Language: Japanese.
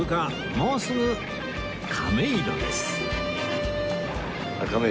もうすぐ亀戸です